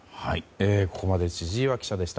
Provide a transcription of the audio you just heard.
ここまで千々岩記者でした。